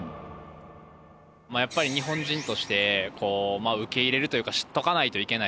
やっぱり日本人として受け入れるというか知っておかないといけない。